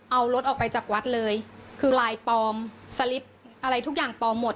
เอารถออกไปจากวัดเลยคือลายปลอมสลิปอะไรทุกอย่างปลอมหมด